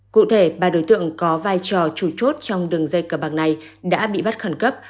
cụ thể ba đối tượng có vai trò chủ chốt trong đường dây cờ bạc này đã bị bắt khẩn cấp